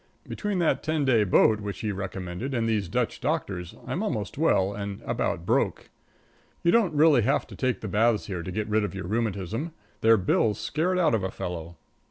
Between that ten day boat which he recommended and these Dutch doctors, I'm almost well and about broke. You don't really have to take the baths here to get rid of your rheumatism their bills scare it out of a fellow.